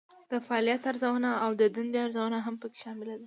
د فعالیت ارزونه او د دندې ارزونه هم پکې شامله ده.